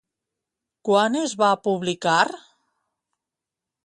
Quan es va publicar?